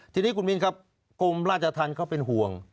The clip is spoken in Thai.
ทีนี้คุณมินครับกรมราชธรรมเขาเป็นห่วง